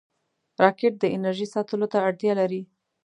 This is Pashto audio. راکټ د انرژۍ ساتلو ته اړتیا لري